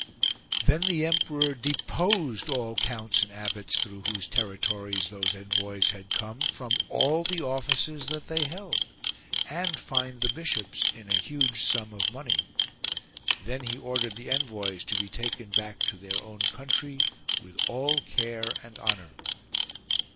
Then the emperor deposed all counts and abbots, through whose territories those envoys had come, from all the offices that they held ; and fined the bishops in a huge sum of money. Then he ordered the envoys to be taken back to their own country with all care and honour.